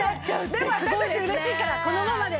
でも私たち嬉しいからこのままで！